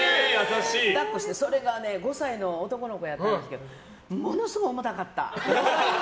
それがね５歳の男の子やったんですけどものすごい重たかった。